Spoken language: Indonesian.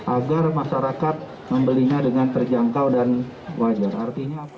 agar masyarakat membelinya dengan terjangkau dan wajar